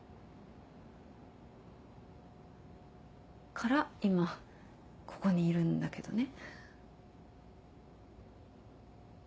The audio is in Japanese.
から今ここにいるんだけどね。